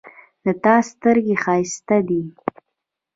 د تا سترګې ښایستې دي